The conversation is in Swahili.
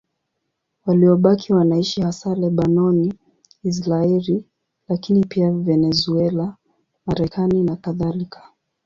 Waliobaki wanaishi hasa Lebanoni, Israeli, lakini pia Venezuela, Marekani nakadhalika.